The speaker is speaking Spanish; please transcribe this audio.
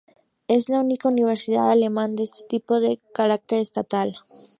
Es la única universidad alemana de este tipo con carácter estatal.